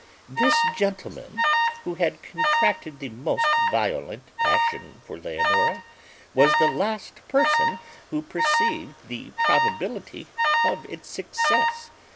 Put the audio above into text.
This gentleman, who had contracted the most violent passion for Leonora, was the last person who perceived the probability of its success.